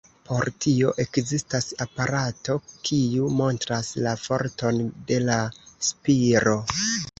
Por tio ekzistas aparato, kiu montras la forton de la spiro.